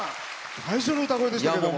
最初の歌声でしたけども。